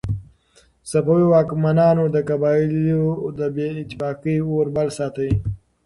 صفوي واکمنانو د قبایلو د بې اتفاقۍ اور بل ساته.